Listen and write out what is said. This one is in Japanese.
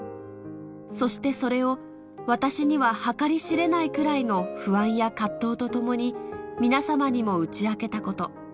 そしてそれを、私には計り知れないくらいの不安や葛藤とともに皆様にも打ち明けたこと。